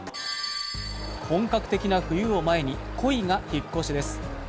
本格的な冬を前にコイが引っ越しです